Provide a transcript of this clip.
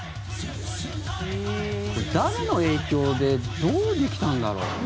これ、誰の影響でどうできたんだろう？